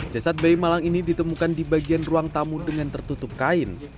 jasad bayi malang ini ditemukan di bagian ruang tamu dengan tertutup kain